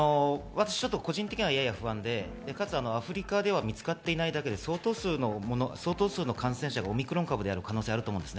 個人的にはやや不安で、かつアフリカでは見つかっていないだけで相当数の感染者がオミクロン株である可能性があると思います。